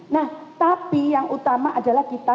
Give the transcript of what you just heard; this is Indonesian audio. nah tapi yang utama adalah kita